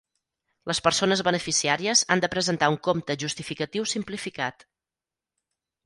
Les persones beneficiàries han de presentar un compte justificatiu simplificat.